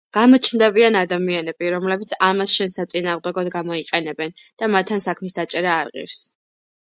გამოჩნდებიან ადამიანები, რომლებიც ამას შენს საწინააღმდეგოდ გამოიყენებენ და მათთან საქმის დაჭერა არ ღირს".